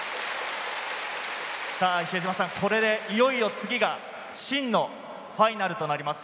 これでいよいよ次が真のファイナルとなります。